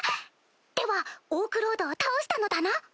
ではオークロードを倒したのだな？